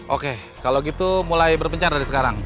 oke kalau gitu mulai berpencar dari sekarang